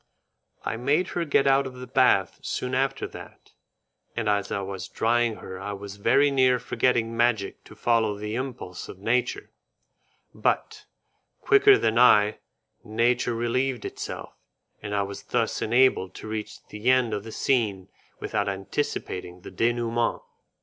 I made her get out of the bath soon after that, and as I was drying her I was very near forgetting magic to follow the impulse of nature, but, quicker than I, nature relieved itself, and I was thus enabled to reach the end of the scene without anticipating the denouement.